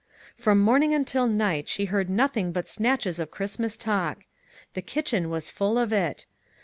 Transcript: From morning until night she heard nothing but snatches of Christmas talk. The kitchen was full of it.